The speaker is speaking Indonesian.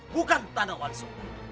bukan tanah wariso